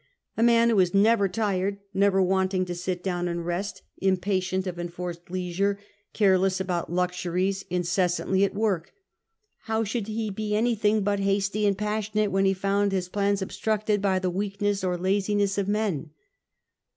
A man who was never tired, never wanting to sit down and rest, impatient of enforced leisure, care less about luxuries, incessantly at work, — how should he be anything but hasty and passionate when he found his plans obstructed by the weakness or the laziness of men?